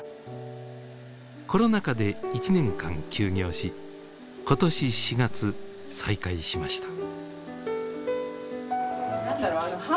コロナ禍で１年間休業し今年４月再開しました。